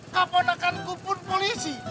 kau podakanku pun polisi